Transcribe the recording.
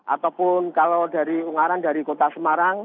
ataupun kalau dari ungaran dari kota semarang